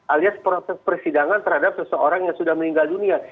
alias proses persidangan terhadap seseorang yang sudah meninggal dunia